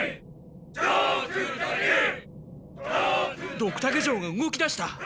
ドクタケ城が動き出した！